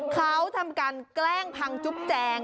เขาทำการแกล้งพังจุ๊บแจง